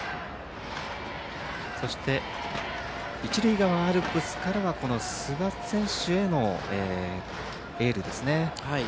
そして一塁側アルプスから寿賀選手へのエールですね。